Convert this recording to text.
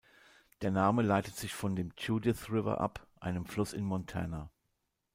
Der Name leitet sich von dem Judith River ab, einem Fluss in Montana.